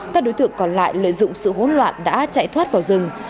các đối tượng còn lại lợi dụng sự hỗn loạn đã chạy thoát vào rừng